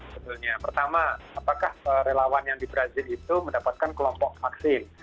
sebetulnya pertama apakah relawan yang di brazil itu mendapatkan kelompok vaksin